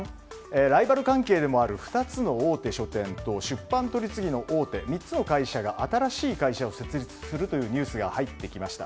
ライバル関係でもある２つの大手書店と出版取次の大手３つが新しい会社を設立するというニュースが入ってきました。